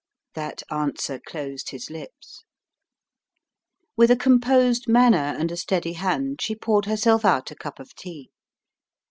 That answer closed his lips. With a composed manner and a steady hand, she poured herself out a cup of tea.